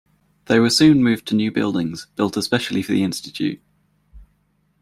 They were soon moved to new buildings, built especially for the institute.